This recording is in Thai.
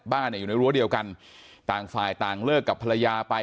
อยู่ในรั้วเดียวกันต่างฝ่ายต่างเลิกกับภรรยาไป